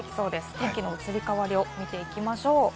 天気の移り変わりを見ていきましょう。